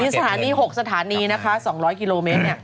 สถานี๖สถานีนะคะ๒๐๐กิโลเมตร